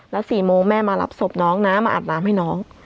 แล้ว๔โมงแม่มารับศพน้องนะมาอาบน้ำให้น้อง